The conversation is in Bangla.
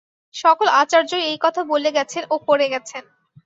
সকল আচার্যই এই কথা বলে গেছেন ও করে গেছেন।